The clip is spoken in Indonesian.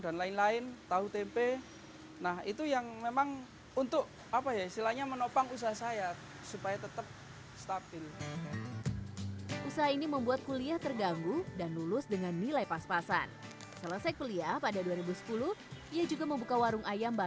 jadi begitu kita makan kita rasanya lebih terasa